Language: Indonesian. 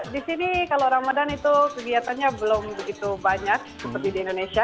di sini kalau ramadan itu kegiatannya belum begitu banyak seperti di indonesia